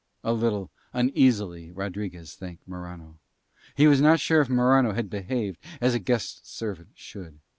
A little uneasily Rodriguez thanked Morano: he was not sure if Morano had behaved as a guest's servant should.